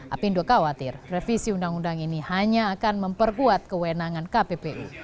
apindo khawatir revisi undang undang ini hanya akan memperkuat kewenangan kppu